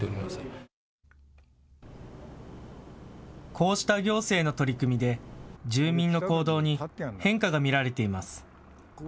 こうした行政の取り組みで住民の行動に変化が見られています。